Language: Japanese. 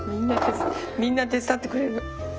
みんな手伝ってくれる。